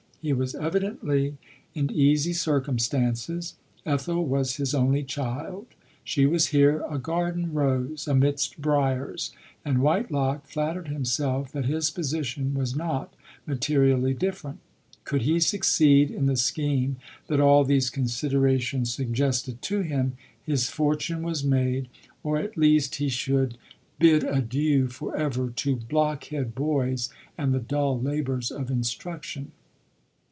He was evidently in easy circumstances — Ethel was his only child. She was here a garden rose amidst briars, and Whitelock flat tered himself that his position was not materi ally different. Could he succeed in the scheme that all these considerations suggested to him, LODORE. his fortune was made, or, at least, he should bid adieu for ever to blockhead boys and the dull labours of instruction.